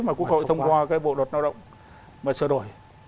mà quốc hội thông qua cái bộ luật lao động mà sửa đổi